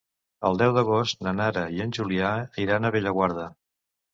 El deu d'agost na Nara i en Julià iran a Bellaguarda.